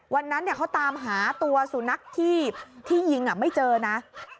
วันนั้นเขาตามหาตัวสุนัขที่ยิงไม่เจอนะ